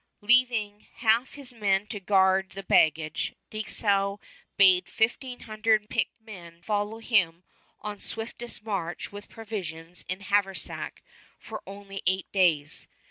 Leaving half his men to guard the baggage, Dieskau bade fifteen hundred picked men follow him on swiftest march with provisions in haversack for only eight days.